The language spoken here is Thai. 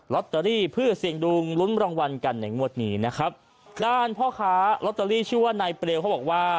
ตเตอรี่เพื่อเสี่ยงดวงลุ้นรางวัลกันในงวดนี้นะครับด้านพ่อค้าลอตเตอรี่ชื่อว่านายเปลวเขาบอกว่า